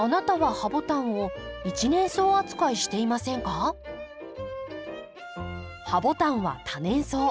ハボタンは多年草。